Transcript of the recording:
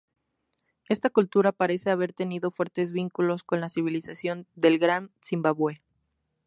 Esta cultura parece haber tenido fuertes vínculos con la civilización del Gran Zimbabue.